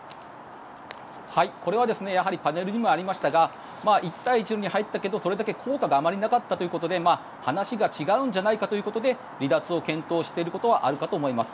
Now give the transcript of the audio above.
これはやはりパネルにもありましたが一帯一路に入ったけどそれだけ効果があまりなかったということで話が違うんじゃないかということで離脱を検討していることはあると思います。